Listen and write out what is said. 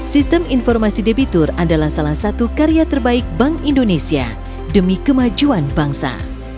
sistem informasi debitur adalah salah satu karya terbaik bank indonesia demi kemajuan bangsa